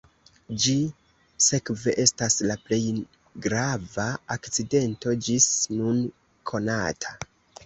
Ĝi sekve estas la plej grava akcidento ĝis nun konata.